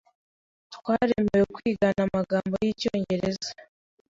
Twaremewe kwigana amagambo yicyongereza.